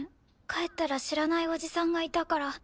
帰ったら知らないおじさんがいたから。